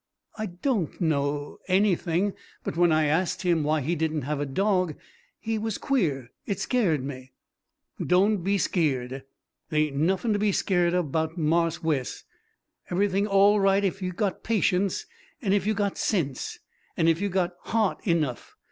"I don't know anything; but when I asked him why he didn't have a dog he was queer. It scared me." "Doan be skeered. They ain' nuffin' to be skeered of 'bout Marse Wes. Eve'ything all right ef you got patience, an' ef you got sense, an' ef you got haht enough.